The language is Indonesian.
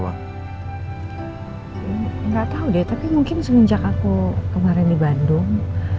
nggak tahu deh tapi mungkin semenjak aku kemarin di bandung